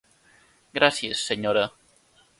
Gràcies, senyora.